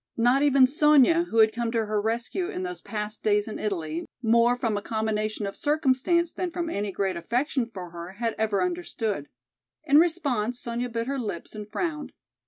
Not even Sonya, who had come to her rescue in those past days in Italy, more from a combination of circumstance than from any great affection for her, had ever understood. In response Sonya bit her lips and frowned.